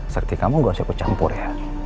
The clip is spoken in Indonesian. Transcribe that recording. sakti kamu nggak usah aku campur ya